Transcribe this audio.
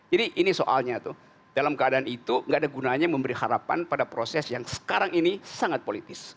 jadi ini soalnya dalam keadaan itu tidak ada gunanya memberi harapan pada proses yang sekarang ini sangat politis